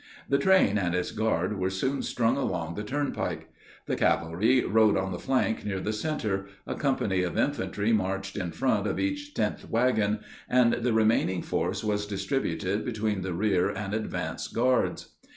The train and its guard were soon strung along the turnpike. The cavalry rode on the flank near the center, a company of infantry marched in front of each tenth wagon, and the remaining force was distributed between the rear and advance guards.